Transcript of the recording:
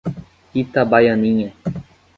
Itabaianinha